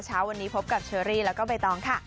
เช้าวันนี้พบกับเชอรี่แล้วก็ใบตองค่ะ